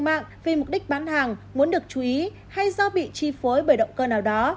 mạng vì mục đích bán hàng muốn được chú ý hay do bị chi phối bởi động cơ nào đó